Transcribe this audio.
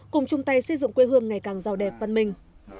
cùng chung tay xây dựng quê hương ngày càng giàu đẹp văn minh